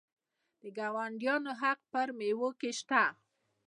د ګاونډیانو حق په میوو کې شته.